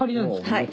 はい。